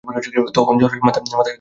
তখন জ্বর হয়, মাথায় পানি ঢালতে হয়।